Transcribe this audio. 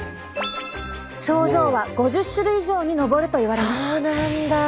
症状は５０種類以上に上るといわれます。